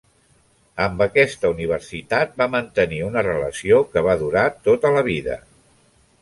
Amb aquesta universitat va mantenir una relació que va durar tota la vida.